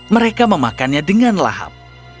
mereka memakannya dengan lahap